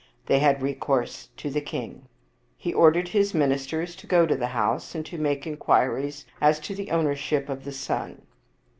They had recourse to the king. He ordered his ministers to go to the house and to make inquiries as to the ownership of the son.